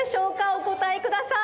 おこたえください。